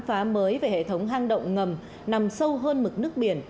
phá mới về hệ thống hang động ngầm nằm sâu hơn mực nước biển